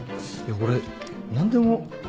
俺何でも。